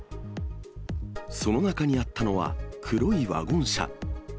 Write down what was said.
その中にあったのは黒いワゴン車。